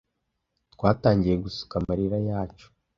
twatangiye gusuka amarira yacu